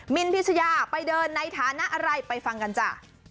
นพิชยาไปเดินในฐานะอะไรไปฟังกันจ้ะ